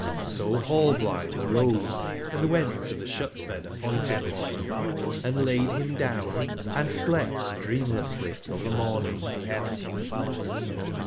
So Rallblithe arose, and went to the shut/bed appointed for him, and laid him down and slept dream less ly till the morning.